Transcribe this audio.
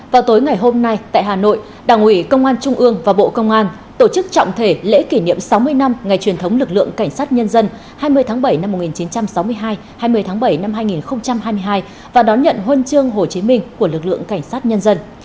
vào tối ngày hôm nay tại hà nội đảng ủy công an trung ương và bộ công an tổ chức trọng thể lễ kỷ niệm sáu mươi năm ngày truyền thống lực lượng cảnh sát nhân dân hai mươi tháng bảy năm một nghìn chín trăm sáu mươi hai hai mươi tháng bảy năm hai nghìn hai mươi hai và đón nhận huân chương hồ chí minh của lực lượng cảnh sát nhân dân